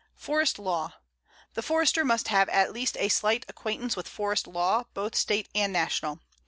FOREST LAW: The Forester must have at least a slight acquaintance with forest law, both State and National.